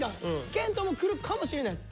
謙杜も来るかもしれないです。